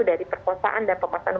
dari perkosaan dan pemasangan